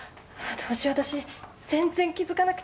どうしよう私全然気づかなくて。